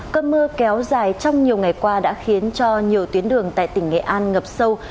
cơn mưa kéo dài trong nhiều ngày qua đã khiến cho nhiều tuyến đường tại tỉnh nghệ an ngập sâu